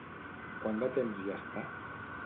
Quant de temps hi està?